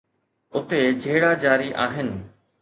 اتي جهيڙا جاري آهن